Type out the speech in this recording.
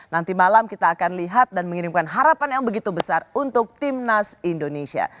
nanti malam kita akan lihat dan mengirimkan harapan yang begitu besar untuk timnas indonesia